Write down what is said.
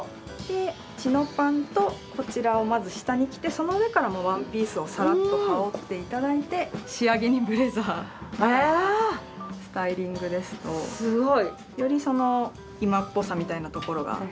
でチノパンとこちらをまず下に着てその上からワンピースをさらっと羽織っていただいて仕上げにブレザーみたいなスタイリングですとよりその今っぽさみたいなところが。